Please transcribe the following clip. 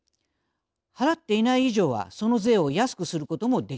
払っていない以上はその税を安くすることもできません。